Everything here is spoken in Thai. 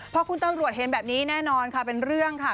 พอคุณตำรวจเห็นแบบนี้แน่นอนค่ะเป็นเรื่องค่ะ